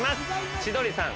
千鳥さん